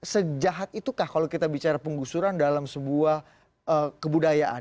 sejahat itukah kalau kita bicara penggusuran dalam sebuah kebudayaan